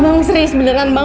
abang serius beneran mbah